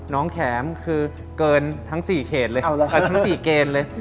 น้องแขมคือเกินทั้ง๔เกณฑ์เลย